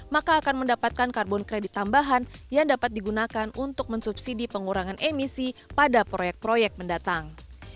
maka akan mendapatkan karbon kredit tambahan yang dapat digunakan untuk mensubsidi pengurangan emisi pada proyek proyek mendatang